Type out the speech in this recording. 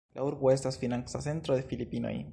La urbo estas financa centro de Filipinoj.